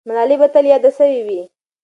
ملاله به تل یاده سوې وي.